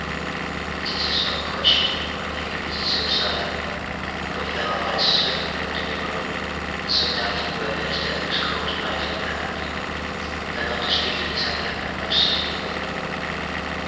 It is a stock question whether he committed suicide : for he fell by a sudden wound in the groin, and some doubted whether his death was caused by his own hand, though none disputed its having happened most seasonably.